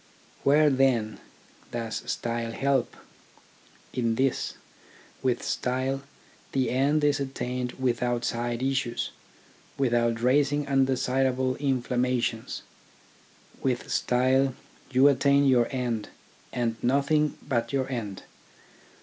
Where, then, does style help ? In this, with style the end is attained without side issues, without raising undesirable inflammations. With style you attain your end and nothing but your end.